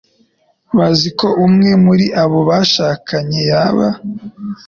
bazi ko umwe muri abo bashakanye yaba